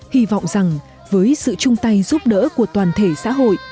hy vọng rằng với sự chung tay giúp đỡ của toàn thể xã hội